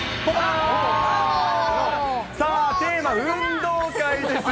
さあ、テーマ、運動会です。